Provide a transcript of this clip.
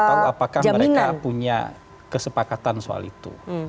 saya tidak tahu apakah mereka punya kesepakatan soal itu